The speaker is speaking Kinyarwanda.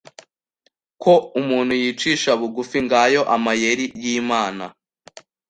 ko umuntu yicisha bugufi Ngayo amayeri yimana